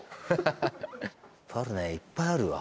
いっぱいあるわ。